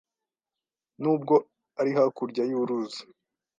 Nubwo ari hakurya y'uruzi